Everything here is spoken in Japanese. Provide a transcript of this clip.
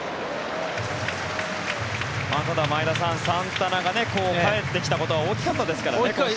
ただ前田さん、サンタナが帰ってきたことは大きかったですからね。